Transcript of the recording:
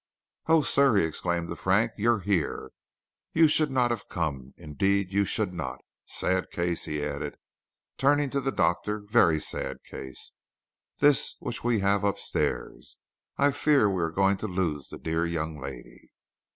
"Oh, sir," he exclaimed to Frank, "you here? You should not have come; indeed you should not. Sad case," he added, turning to the Doctor; "very sad case, this which we have upstairs. I fear we are going to lose the dear young lady."